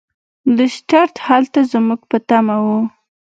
لیسټرډ هلته زموږ په تمه و.